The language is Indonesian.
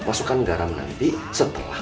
masukkan garam nanti setelah